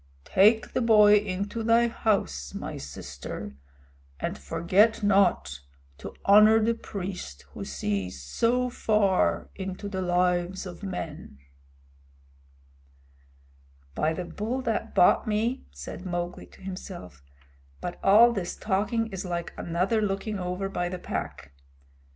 Take the boy into thy house, my sister, and forget not to honor the priest who sees so far into the lives of men." "By the Bull that bought me," said Mowgli to himself, "but all this talking is like another looking over by the Pack!